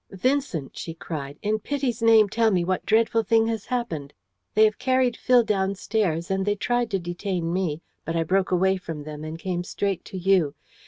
"Vincent!" she cried. "In pity's name tell me what dreadful thing has happened? They have carried Phil downstairs, and they tried to detain me, but I broke away from them and came straight to you.